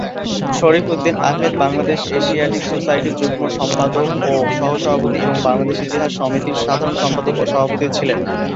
শরীফ Uddin Ahmed Bangladesh Asiatic সোসাইটির যুগ্ম-সম্পাদক ও সহ-সভাপতি এবং বাংলাদেশ ইতিহাস সমিতির সাধারণ সম্পাদক ও সভাপতি ছিলেন।